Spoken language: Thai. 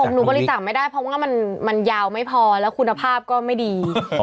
หนูบริจาคไม่ได้เพราะว่ามันยาวไม่พอแล้วคุณภาพก็ไม่ดี